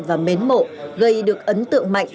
và mến mộ gây được ấn tượng mạnh